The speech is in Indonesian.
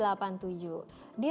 nah kalau ini konsultasi